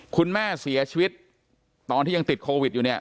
คุณแม่เสียชีวิตตอนที่ยังติดโควิดอยู่เนี่ย